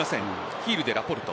ヒールでラポルト。